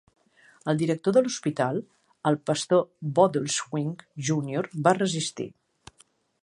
El director de l'hospital, el pastor Bodelschwingh Junior, va resistir.